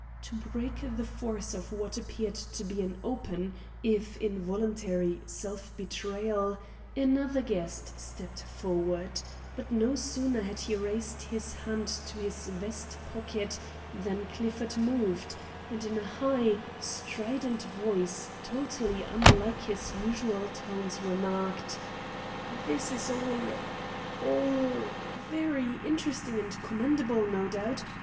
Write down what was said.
To break the force of what appeared to be an open, if involuntary, self betrayal, another guest stepped forward; but no sooner had he raised his hand to his vest pocket than Clifford moved, and in a high, strident voice totally unlike his usual tones remarked: "This is all all very interesting and commendable, no doubt.